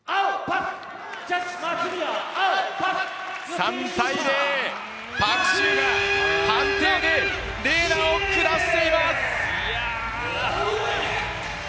３対０、パク・シウが判定でＲＥＮＡを下しています！